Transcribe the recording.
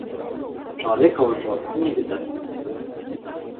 Чалавека ўжо і не відаць.